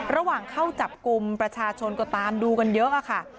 ระหว่างเข้าจับกลุ่มประชาชนก็ตามดูกันเยอะค่ะ